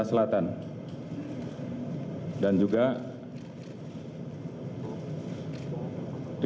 dan aku punya bintang yang sangat tinggi